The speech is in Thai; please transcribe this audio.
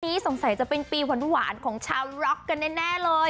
สงสัยจะเป็นปีหวานของชาวร็อกกันแน่เลย